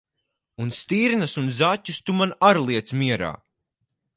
Un stirnas un zaķus tu man ar liec mierā!